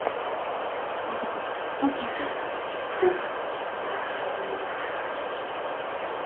Ah! insensé ! fou ! dit enfin Paganel.